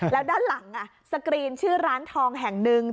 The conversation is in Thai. แล้วด้านหลังสกรีนชื่อร้านทองแห่งหนึ่ง